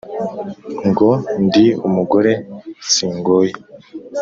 ngo ndi umugore singoye